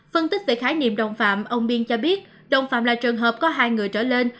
phân tích về khái niệm đồng phạm ông biên cho biết đồng phạm là trường hợp có hai người trở lên